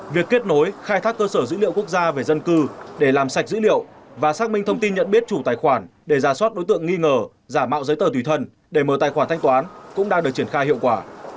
việc kết nối khai thác cơ sở dữ liệu quốc gia về dân cư để làm sạch dữ liệu và xác minh thông tin nhận biết chủ tài khoản để giả soát đối tượng nghi ngờ giả mạo giấy tờ tùy thân để mở tài khoản thanh toán cũng đang được triển khai hiệu quả